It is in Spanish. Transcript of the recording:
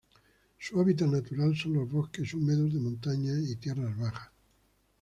Su hábitat natural son los bosques húmedos de montaña y tierras bajas.